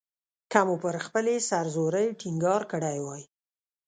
که مو پر خپلې سر زورۍ ټینګار کړی وای.